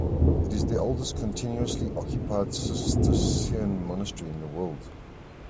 It is the oldest continuously occupied Cistercian monastery in the world.